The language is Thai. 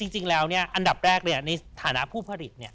จริงแล้วเนี่ยอันดับแรกในสถานะผู้ผลักนี่